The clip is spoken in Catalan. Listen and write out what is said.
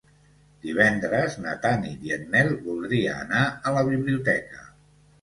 Divendres na Tanit i en Nel voldria anar a la biblioteca.